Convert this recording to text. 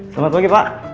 selamat pagi pak